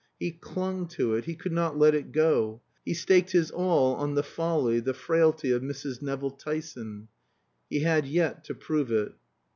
He clung to it, he could not let it go. He staked his all on the folly, the frailty of Mrs. Nevill Tyson. He had yet to prove it.